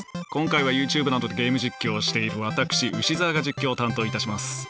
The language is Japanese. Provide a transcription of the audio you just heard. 今回はＹｏｕＴｕｂｅなどでゲーム実況をしている私牛沢が実況を担当いたします。